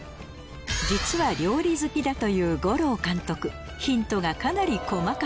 実は料理好きだという吾朗監督